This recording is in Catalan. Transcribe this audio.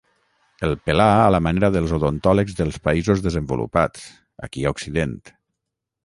El pelà a la manera dels odontòlegs dels països desenvolupats, aquí a Occident.